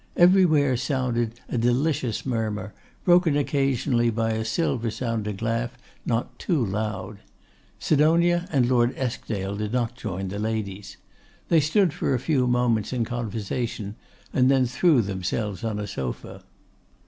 Everywhere sounded a delicious murmur, broken occasionally by a silver sounding laugh not too loud. Sidonia and Lord Eskdale did not join the ladies. They stood for a few moments in conversation, and then threw themselves on a sofa.